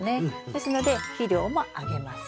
ですので肥料もあげません。